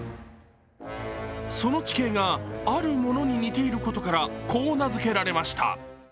その地形があるものに似ていることからこう名付けられました。